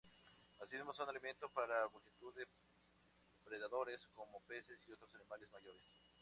Así mismo son alimento para multitud de predadores como peces y otros animales mayores.